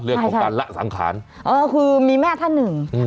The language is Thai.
เรื่องของการละสังขารเออคือมีแม่ท่านหนึ่งอืม